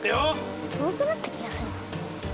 とおくなったきがするな。